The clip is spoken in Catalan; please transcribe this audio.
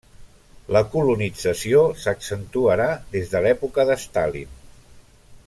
La colonització s'accentuarà des de l'època de Stalin.